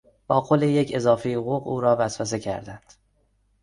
با قول یک اضافه حقوق زیاد او را وسوسه کردند.